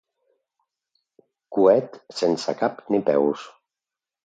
Coet sense cap ni peus.